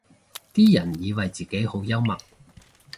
啲人以為自己好幽默